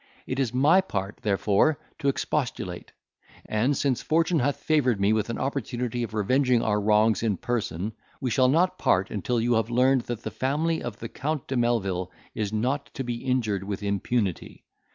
It is my part, therefore, to expostulate; and, since fortune hath favoured me with an opportunity of revenging our wrongs in person, we shall not part until you have learned that the family of the Count de Melvil is not to be injured with impunity.